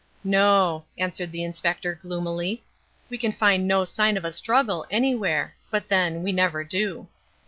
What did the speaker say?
"No," answered the Inspector gloomily. "We can find no sign of a struggle anywhere. But, then, we never do."